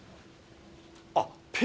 あっ！